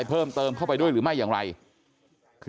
พ่อขออนุญาต